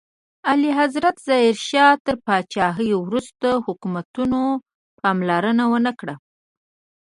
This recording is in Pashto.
د اعلیحضرت ظاهر شاه تر پاچاهۍ وروسته حکومتونو پاملرنه ونکړه.